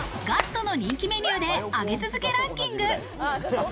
ガストの人気メニューで、上げ続けランキング。